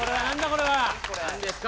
これは何ですか？